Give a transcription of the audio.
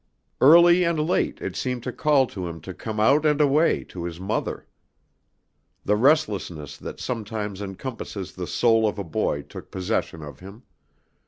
Early and late it seemed to call to him to come out and away to his mother. The restlessness that sometimes encompasses the soul of a boy took possession of him.